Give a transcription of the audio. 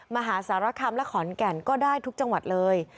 มหาสารคามและขอนแก่นก็ได้ทุกจังหวัดเลย